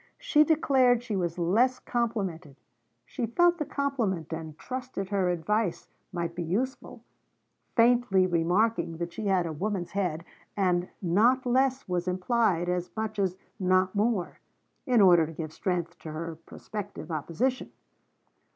She declared she was complimented; she felt the compliment, and trusted her advice might be useful, faintly remarking that she had a woman's head: and 'not less' was implied as much as 'not more,' in order to give strength to her prospective opposition.